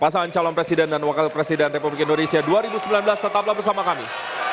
pasangan calon presiden dan wakil presiden republik indonesia dua ribu sembilan belas tetaplah bersama kami